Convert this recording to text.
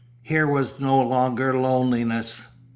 Here was no longer loneliness.